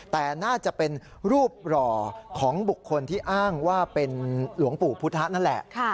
แต่น่าจะเป็นรูปหล่อของบุคคลที่อ้างว่าเป็นหลวงปู่พุทธะนั่นแหละ